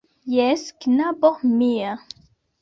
Jes, knabo mia.